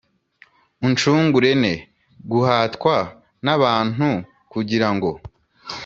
Uncungure ne guhatwa n abantu kugira ngo